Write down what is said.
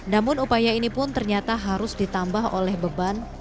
namun upaya ini pun ternyata harus ditambah oleh beban